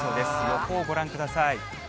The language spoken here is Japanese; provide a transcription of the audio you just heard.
予報をご覧ください。